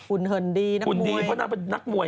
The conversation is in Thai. อุ่นเหินดีนักบวย